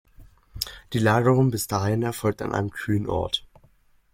Die Lagerung bis dahin erfolgt an einem kühlen Ort.